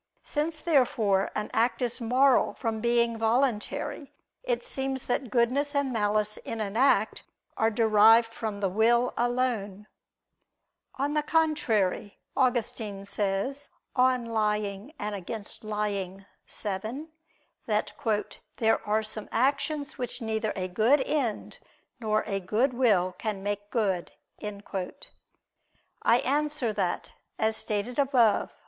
Since therefore an act is moral from being voluntary, it seems that goodness and malice in an act are derived from the will alone. On the contrary, Augustine says (Contra Mendac. vii), that "there are some actions which neither a good end nor a good will can make good." I answer that, As stated above (A.